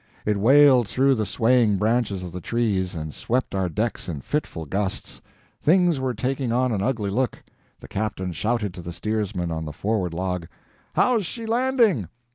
It wailed through the swaying branches of the trees, and swept our decks in fitful gusts. Things were taking on an ugly look. The captain shouted to the steersman on the forward log: "How's she landing?"